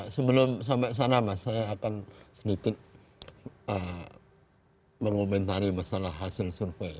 sebelum sampai sana mas saya akan sedikit mengomentari masalah hasil survei